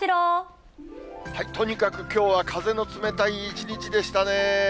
とにかくきょうは風の冷たい一日でしたね。